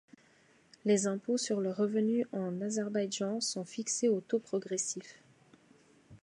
Les impôts sur le revenu en Azerbaïdjan sont fixés au taux progressif.